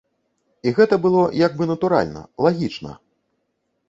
І гэта было як бы натуральна, лагічна.